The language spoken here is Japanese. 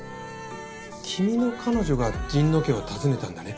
君の彼女が神野家を訪ねたんだね。